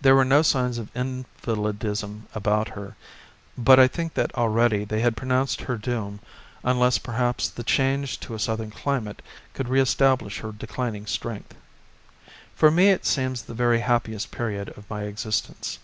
There were no signs of invalidism about her but I think that already they had pronounced her doom unless perhaps the change to a southern climate could re establish her declining strength. For me it seems the very happiest period of my existence.